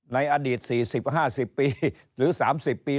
ในอดีต๔๐๕๐ปีหรือ๓๐ปี